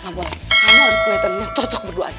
ngapain kamu harus keliatan yang cocok berdua